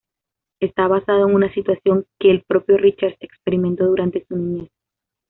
Está basado en una situación que el propio Richards experimentó durante su niñez.